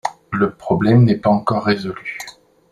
Le problème n'est pas encore résolu.